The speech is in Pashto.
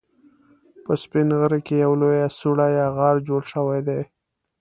په سپين غره کې يوه لويه سوړه يا غار جوړ شوی دی